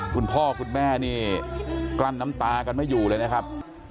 คุณพ่อคุณแม่นี่กลั้นน้ำตากันไม่อยู่เลยนะครับ